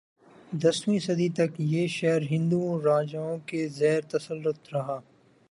دسویں صدی تک یہ شہر ہندو راجائوں کے زیرتسلط رہا